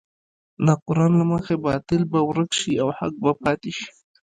د قران له مخې باطل به ورک شي او حق به پاتې شي.